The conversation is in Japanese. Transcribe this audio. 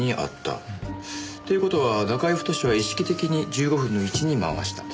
という事は中居太は意識的に１５分の位置に回した。